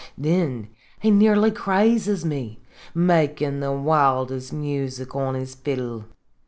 " Thin he nearly crazes me, makin* the wildest music on his fiddle.